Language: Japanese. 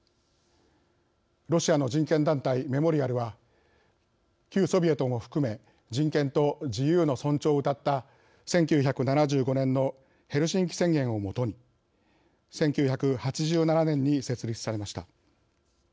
ロシアの人権団体メモリアルは旧ソビエトも含め人権と自由の尊重をうたった１９７５年のヘルシンキ宣言をもとに１９８７年に設立されました。